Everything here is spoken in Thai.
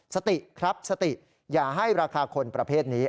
สติครับสติอย่าให้ราคาคนประเภทนี้